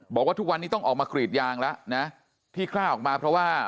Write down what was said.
บอกว่าทุกวันนี้ต้องออกมากรีดยางแล้วนะที่กล้าออกมาเพราะว่า